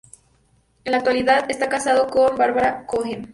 En la actualidad está casado con Barbara Cohen.